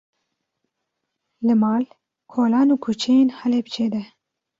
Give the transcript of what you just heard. Li mal, kolan û kuçeyên Helepçê de